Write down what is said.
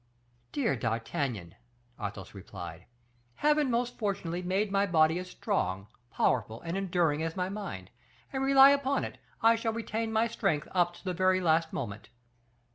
"Dear D'Artagnan," Athos replied, "Heaven most fortunately made my body as strong, powerful, and enduring as my mind; and, rely upon it, I shall retain my strength up to the very last moment."